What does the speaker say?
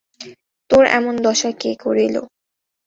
তাের এমন দশা কে করিল?